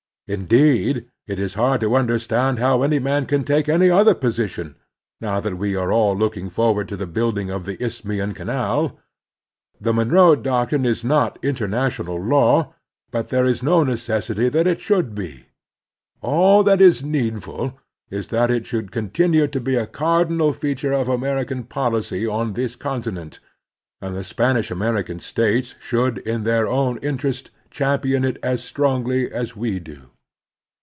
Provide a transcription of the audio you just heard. Indeed, it is hard to under stand how any man can take any other position, now that we are all looking forward to the build ing of the Isthmian Canal. The Monroe Doctrine is not international law; but there is no necessity that it should be. All that is needful is that it should continue to be a cardinal feature of Amer ican policy on this continent; and the Spanish American states should, in their own interest, champion it as strongly as we do.